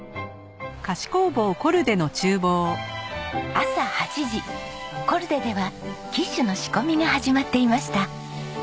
朝８時コルデではキッシュの仕込みが始まっていました。